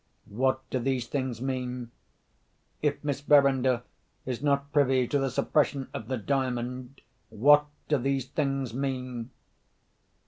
What do these things mean? If Miss Verinder is not privy to the suppression of the Diamond, what do these things mean?"